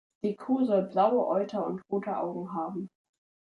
Die Kuh soll blaue Euter und rote Augen haben.